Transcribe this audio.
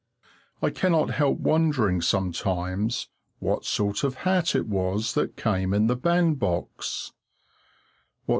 I cannot help wondering sometimes what sort of hat it was that came in the bandbox.